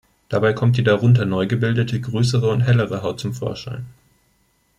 Dabei kommt die darunter neu gebildete, größere und hellere Haut zum Vorschein.